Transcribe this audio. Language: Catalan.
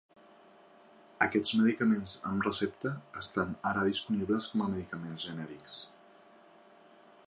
Aquests medicaments amb recepta estan ara disponibles com a medicaments genèrics.